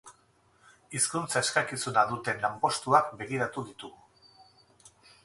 Hizkuntza-eskakizuna duten lanpostuak begiratu ditugu.